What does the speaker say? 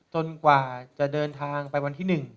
จนกว่าจะเดินทางไปวันที่หนึ่ง